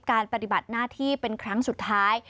ปฏิบัติหน้าที่เป็นครั้งสุดท้าย